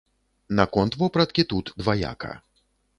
Наконт вопраткі, тут дваяка.